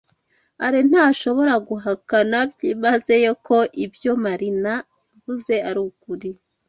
Alain ntashobora guhakana byimazeyo ko ibyo Marina yavuze ari ukuri.